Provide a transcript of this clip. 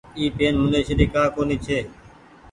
اي پين منيشي ري ڪآ ڪونيٚ ڇي۔